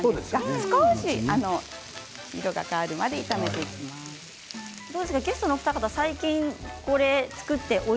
少し色が変わるまで炒めてください。